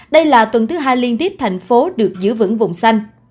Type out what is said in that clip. đây là tuần thứ hai liên tiếp thành phố được giữ vững vùng xanh